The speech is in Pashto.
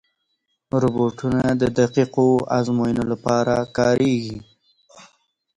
روبوټونه د دقیقو ازموینو لپاره کارېږي.